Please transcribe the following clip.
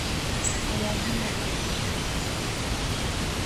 Ni mubaya kuendesha gari kama uko mulevi